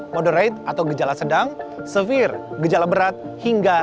moderate atau gejala ringan dan kemudian mild atau bergejala ringan